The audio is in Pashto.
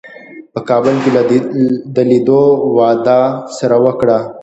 په کابل کې د لیدو وعده سره وکړه.